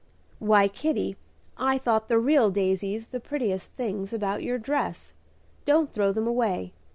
"Why, Kitty, I thought the real daisies the prettiest things about your dress. Don't throw them away.